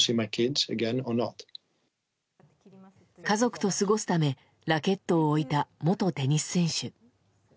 家族と過ごすためラケットを置いた元テニス選手。